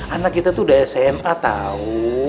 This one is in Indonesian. anak kita tuh udah sma tahu